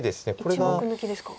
１目抜きですか？